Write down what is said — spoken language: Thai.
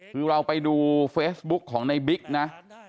คือเราไปดูเฟซบุ๊กของในบิ๊กนะ